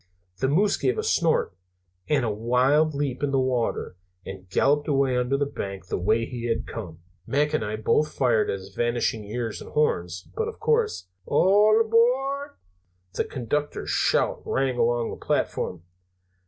The moose gave a snort, and a wild leap in the water, and galloped away under the bank, the way he had come. Mac and I both fired at his vanishing ears and horns, but of course " "All Aboooard!" The conductor's shout rang along the platform.